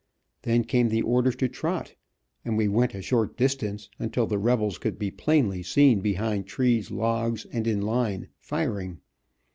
Then came the order to trot, and we went a short distance, until the rebels could be plainly seen behind trees, logs, and in line, firing.